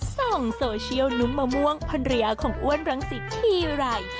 ส่องโซเชียลนุ้มม่วงภรรยาของอ้วนรังสิทธิ์ที่ไหร่